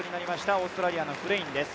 オーストラリアのフレインです。